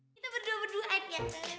kita berdua berdua aja